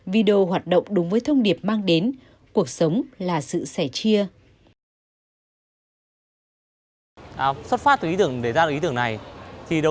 video hoạt động đúng với thông điệp mang đến cuộc sống là sự sẻ chia